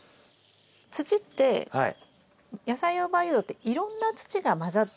土って野菜用培養土っていろんな土が混ざっています。